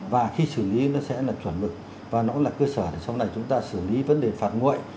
và khi xử lý nó sẽ là chuẩn mực và nó là cơ sở để sau này chúng ta xử lý vấn đề phạt nguội